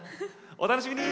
お楽しみに！